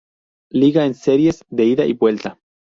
Liga en series de ida y vuelta.